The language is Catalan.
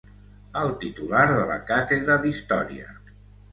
El titular de la càtedra d'història.